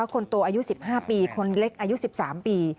คนโตอายุ๑๕ปีคนเล็กอายุ๑๓ปี